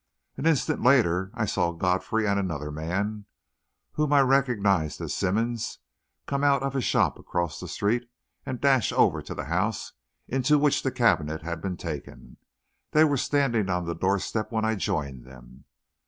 An instant later, I saw Godfrey and another man whom I recognised as Simmonds, come out of a shop across the street and dash over to the house into which the cabinet had been taken. They were standing on the door step when I joined them.